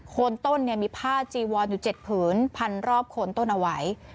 โคนต้นเนี่ยมีผ้าจีวรอยู่เจ็ดผืนแพันรอบโคนต้นเอาไหว